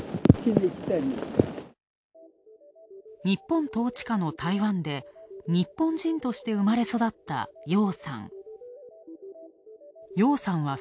日本統治下の台湾で、日本人として生まれ育った楊さん。